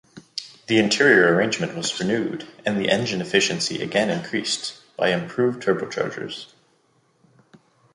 The interior arrangement was renewed and the engine efficiency again increased by improved turbochargers.